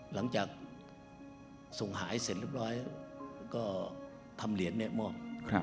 หลังจากส่งหายเสร็จเรียบร้อยก็ทำเหรียญมอบ